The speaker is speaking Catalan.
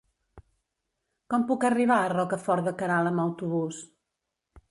Com puc arribar a Rocafort de Queralt amb autobús?